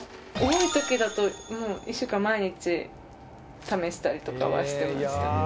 多いときだと１週間毎日試したりとかはしてました。